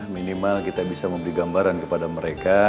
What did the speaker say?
minimal kita bisa memberi gambaran kepada mereka